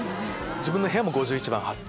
自分の部屋も５１番貼って。